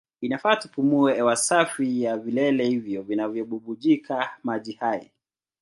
Inafaa tupumue hewa safi ya vilele hivyo vinavyobubujika maji hai.